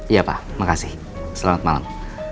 iya pak makasih selamat malam